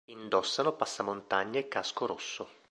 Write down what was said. Indossano passamontagna e casco rosso.